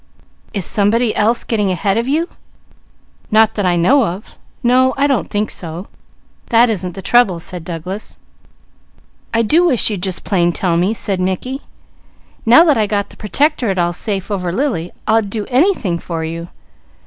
"Is somebody else getting ahead of you?" "Not that I know of! No I don't think so. That isn't the trouble," said Douglas. "I do wish you'd just plain tell me," said Mickey. "Now that I got the Pertectorate all safe over Lily, I'd do anything for you.